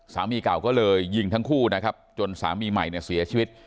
สามีเก่าก็เลยยิงทั้งคู่นะครับจนสามีใหม่เนี่ยเสียชีวิต